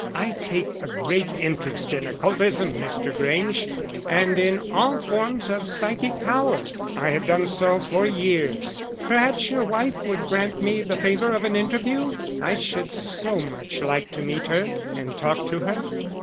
I take a great interest in occultism, Mr. Grange, and in all forms of psychic power I have done so for years. Perhaps your wife would grant me the favour of an interview? I should so much like to meet her and talk to her."